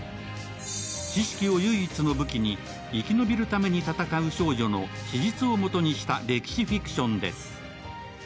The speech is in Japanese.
知識を唯一の武器に生き延びるために戦う少女の史実をもとにした歴史フィクションです。